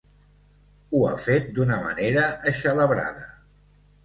Ho ha fet d'una manera eixelebrada.